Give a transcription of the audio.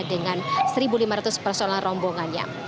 dengan satu lima ratus personal rombongannya